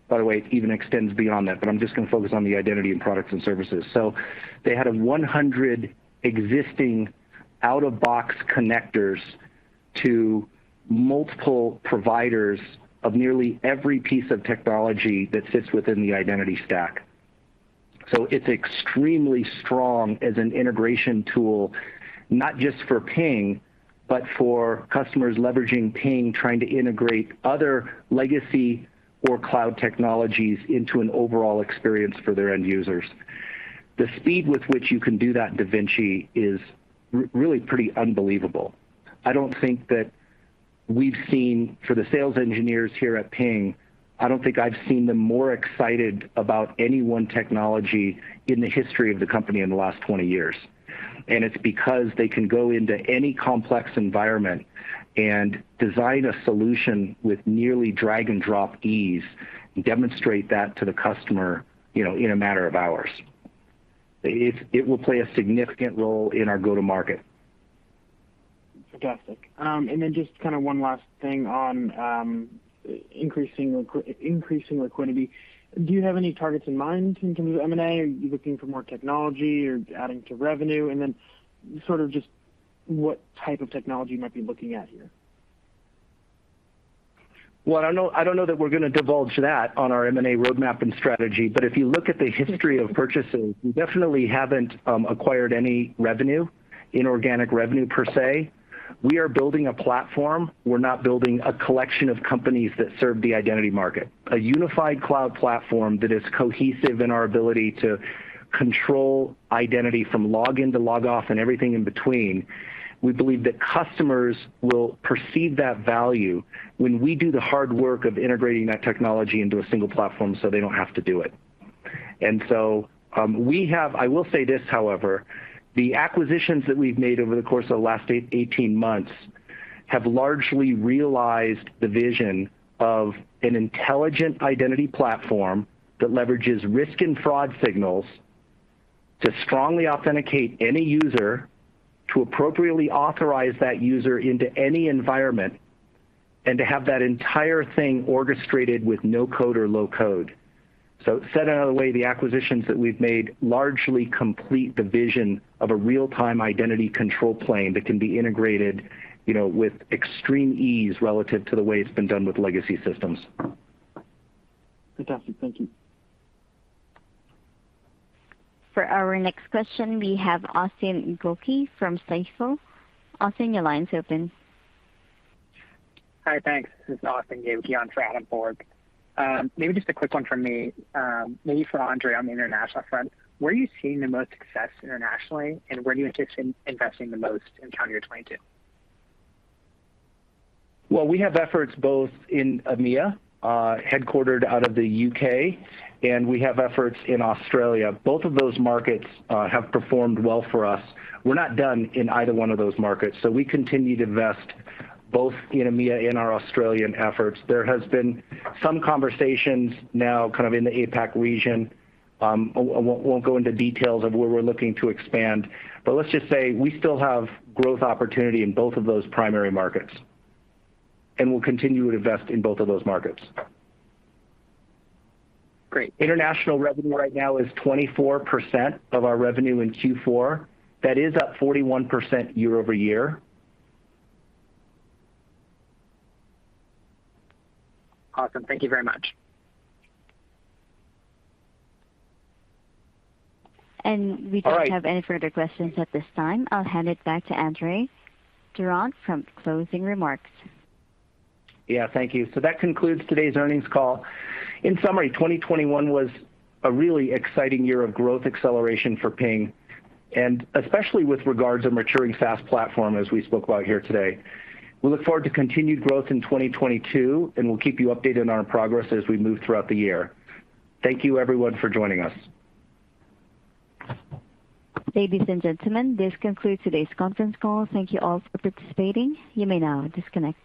By the way, it even extends beyond that, but I'm just gonna focus on the identity and products and services. They had 100 existing out-of-the-box connectors to multiple providers of nearly every piece of technology that sits within the identity stack. It's extremely strong as an integration tool, not just for Ping, but for customers leveraging Ping, trying to integrate other legacy or cloud technologies into an overall experience for their end users. The speed with which you can do that in DaVinci is really pretty unbelievable. I don't think that we've seen. For the sales engineers here at Ping, I don't think I've seen them more excited about any one technology in the history of the company in the last 20 years. It's because they can go into any complex environment and design a solution with nearly drag-and-drop ease and demonstrate that to the customer, you know, in a matter of hours. It will play a significant role in our go-to-market. Fantastic. Just kinda one last thing on increasing liquidity. Do you have any targets in mind in terms of M&A? Are you looking for more technology or adding to revenue? Sort of just what type of technology you might be looking at here. I don't know that we're gonna divulge that on our M&A roadmap and strategy, but if you look at the history of purchases, we definitely haven't acquired any revenue, inorganic revenue per se. We are building a platform. We're not building a collection of companies that serve the identity market. A unified cloud platform that is cohesive in our ability to control identity from login to logoff and everything in between. We believe that customers will perceive that value when we do the hard work of integrating that technology into a single platform, so they don't have to do it. We have I will say this, however, the acquisitions that we've made over the course of the last 18 months have largely realized the vision of an intelligent identity platform that leverages risk and fraud signals to strongly authenticate any user, to appropriately authorize that user into any environment, and to have that entire thing orchestrated with no code or low code. Said another way, the acquisitions that we've made largely complete the vision of a real-time identity control plane that can be integrated, you know, with extreme ease relative to the way it's been done with legacy systems. Fantastic. Thank you. For our next question, we have Austin Goki from Stifel. Austin, your line is open. Hi, thanks. This is Austin Goki on for Adam Borg. Maybe just a quick one from me, maybe for Andre on the international front. Where are you seeing the most success internationally, and where do you anticipate investing the most in 2022? Well, we have efforts both in EMEA, headquartered out of the U.K., and we have efforts in Australia. Both of those markets have performed well for us. We're not done in either one of those markets, so we continue to invest both in EMEA, in our Australian efforts. There has been some conversations now kind of in the APAC region. I won't go into details of where we're looking to expand, but let's just say we still have growth opportunity in both of those primary markets, and we'll continue to invest in both of those markets. Great. International revenue right now is 24% of our revenue in Q4. That is up 41% year-over-year. Awesome. Thank you very much. We don't have any further questions at this time. I'll hand it back to Andre Durand for closing remarks. Yeah. Thank you. That concludes today's earnings call. In summary, 2021 was a really exciting year of growth acceleration for Ping, and especially with regards to maturing SaaS platform as we spoke about here today. We look forward to continued growth in 2022, and we'll keep you updated on our progress as we move throughout the year. Thank you everyone for joining us. Ladies and gentlemen, this concludes today's conference call. Thank you all for participating. You may now disconnect.